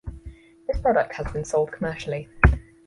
This product has been sold commercially.